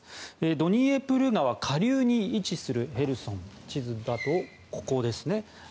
ドニエプル川下流に位置するヘルソン地図だとここですね。